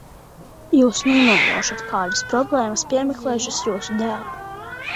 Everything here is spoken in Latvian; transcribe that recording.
Jūs nenojaušat, kādas problēmas piemeklējušas jūsu dēlu!